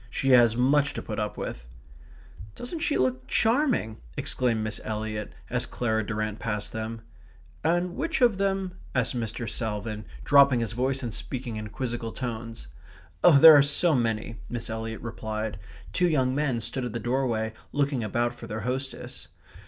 She has much to put up with." "Doesn't she look charming?" exclaimed Miss Eliot, as Clara Durrant passed them. "And which of them...?" asked Mr. Salvin, dropping his voice and speaking in quizzical tones. "There are so many ..." Miss Eliot replied. Three young men stood at the doorway looking about for their hostess.